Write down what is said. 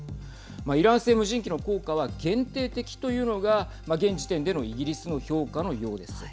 イラン製無人機の効果は限定的というのが現時点でのイギリスの評価のようです。